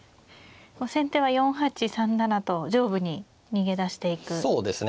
先手は４八３七と上部に逃げ出していくルートですね。